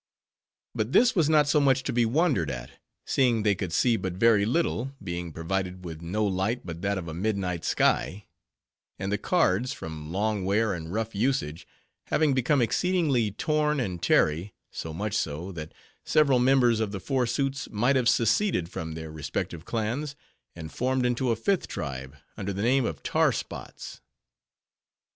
But this was not so much to be wondered at, seeing they could see but very little, being provided with no light but that of a midnight sky; and the cards, from long wear and rough usage, having become exceedingly torn and tarry, so much so, that several members of the four suits might have seceded from their respective clans, and formed into a fifth tribe, under the name of _"Tar spots."